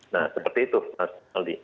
nah seperti itu mas aldi